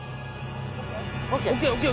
・ＯＫ・ＯＫ？